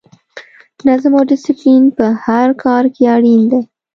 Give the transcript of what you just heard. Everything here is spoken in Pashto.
نظم او ډسپلین په هر کار کې اړین دی.